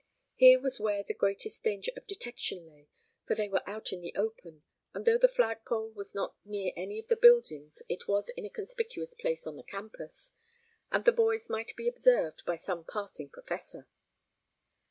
Here was where the greatest danger of detection lay, for they were out in the open, and though the flagpole was not near any of the buildings it was in a conspicuous place on the campus, and the boys might be observed by some passing professor.